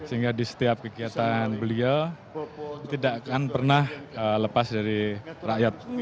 sehingga di setiap kegiatan beliau tidak akan pernah lepas dari rakyat